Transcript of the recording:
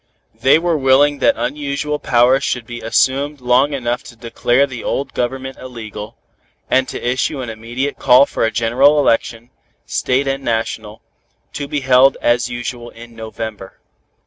They were willing that unusual powers should be assumed long enough to declare the old Government illegal, and to issue an immediate call for a general election, state and national, to be held as usual in November.